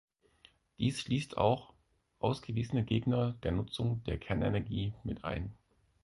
Dies schließt auch ausgewiesene Gegner der Nutzung der Kernenergie mit ein.